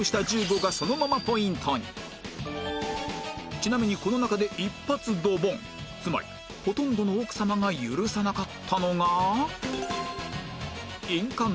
ちなみにこの中で一発ドボンつまりほとんどの奥さまが許さなかったのが